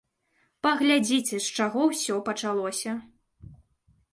Паглядзіце, з чаго гэта ўсё пачалося!